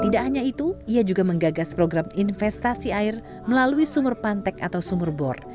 tidak hanya itu ia juga menggagas program investasi air melalui sumur pantek atau sumur bor